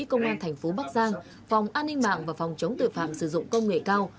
công an tp bắc giang phòng an ninh mạng và phòng chống tội phạm sử dụng công nghệ cao